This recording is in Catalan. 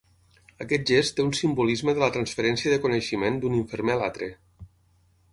Aquest gest té un simbolisme de la transferència de coneixement d'un infermer a l'altre.